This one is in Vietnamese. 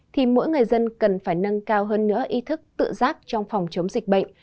thì mỗi người dân cần phải nâng cao hơn nữa ý thức tự giác trong phòng chống dịch bệnh